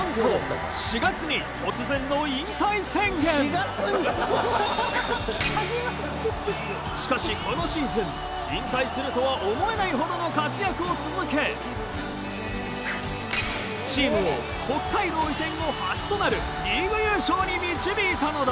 なんとしかしこのシーズン引退するとは思えないほどの活躍を続けチームを北海道移転後初となるリーグ優勝に導いたのだ。